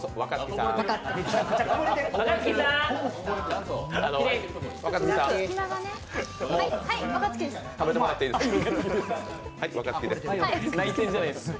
もう食べてもらっていいですか？